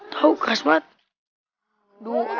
tau keras banget